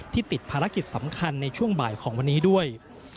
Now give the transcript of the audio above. ติดภารกิจสำคัญในช่วงบ่ายของวันนี้ด้วย